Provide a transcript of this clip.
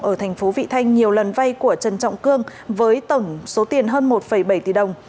ở thành phố vị thanh nhiều lần vay của trần trọng cương với tổng số tiền hơn một bảy tỷ đồng